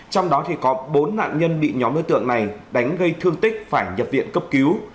trong đó có bốn nạn nhân bị nhóm đối tượng này đánh gây thương tích phải nhập viện cấp cứu